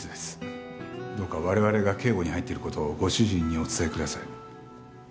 どうか我々が警護に入っている事をご主人にお伝えください。